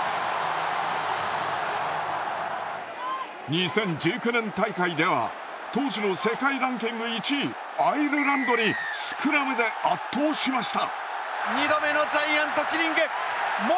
２０１９年大会では当時の世界ランキング１位アイルランドにスクラムで圧倒しました。